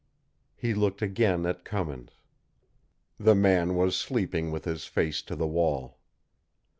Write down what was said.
He looked again at Cummins. The man was sleeping with his face to the wall.